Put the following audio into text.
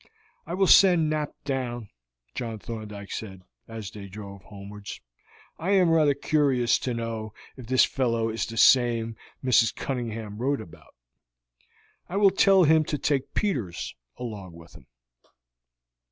"I will send Knapp down," John Thorndyke said, as they drove homewards. "I am rather curious to know if this fellow is the same Mrs. Cunningham wrote about. I will tell him to take Peters along with him."